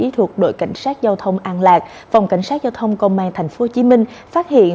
thuộc đội cảnh sát giao thông an lạc phòng cảnh sát giao thông công an tp hcm phát hiện